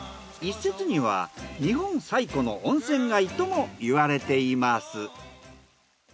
一説には日本最古の温泉街とも言われています。